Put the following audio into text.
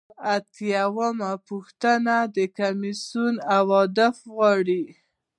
شپږ اتیا یمه پوښتنه د کمیسیون اهداف غواړي.